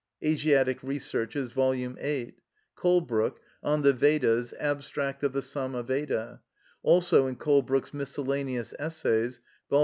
(Asiatic Researches, vol. viii.; Colebrooke, On the Vedas, Abstract of the Sama Veda; also in Colebrooke's Miscellaneous Essays, vol.